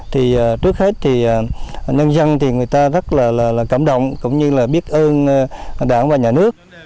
thì trước hết nhân dân rất cảm động cũng như biết ơn đảng và nhà nước